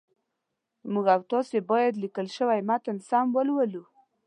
موږ او تاسي باید لیکل شوی متن سم ولولو